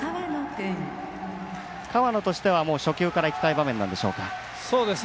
河野としては初球からいきたい場面なんでしょうか。